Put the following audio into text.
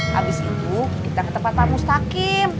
habis itu kita ke tempat tamu sakyim